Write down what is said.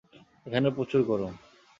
এখানে প্রচুর গরম।